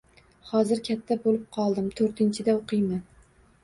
Hozir katta boʻlib qoldim - toʻrtinchida oʻqiyman